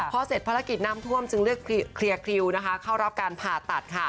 พอเสร็จภารกิจน้ำท่วมจึงเลือกเคลียร์คิวเข้ารับการผ่าตัด